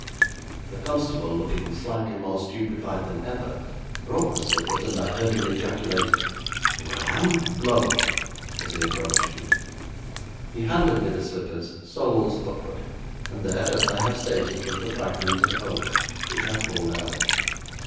The constable, looking slightly more stupefied than ever, brought the slippers, and I heard him ejaculate: 'Well, I'm blowed!' as he approached me. He handed me the slippers soles upward, and there, as I have stated, was the fragment of oak, which I pulled out.